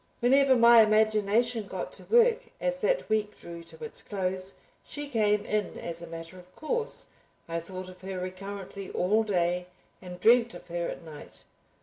Whenever my imagination got to work as that week drew to its close, she came in as a matter of course, I thought of her recurrently all day and dreamt of her at night.